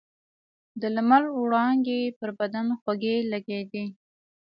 د لمر وړانګې پر بدن خوږې لګېدې.